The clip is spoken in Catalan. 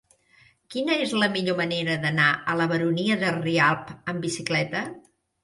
Quina és la millor manera d'anar a la Baronia de Rialb amb bicicleta?